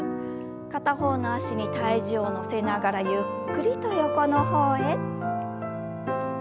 片方の脚に体重を乗せながらゆっくりと横の方へ。